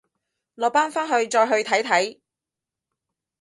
落班翻去再去睇睇